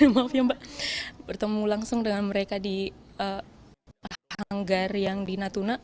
maaf ya mbak bertemu langsung dengan mereka di hanggar yang di natuna